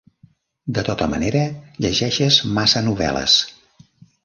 De tota manera, llegeixes massa novel·les.